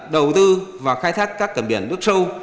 đầu tư và khai thác các cảng biển nước châu